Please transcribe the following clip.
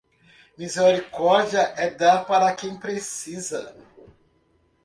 Misericórdia é dar para quem precisa